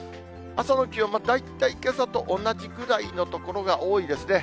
朝の気温、大体けさと同じぐらいの所が多いですね。